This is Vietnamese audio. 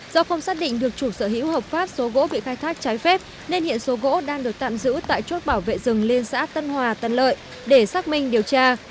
do không xác định được chủ sở hữu hợp pháp số gỗ bị khai thác trái phép nên hiện số gỗ đang được tạm giữ tại chốt bảo vệ rừng liên xã tân hòa tân lợi để xác minh điều tra